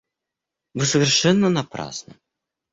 Вы совершенно напрасно.